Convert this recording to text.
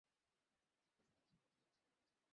আঞ্জলির মা এক বাবাজি কে খুব মানে তিনি ও আজ আসছেন।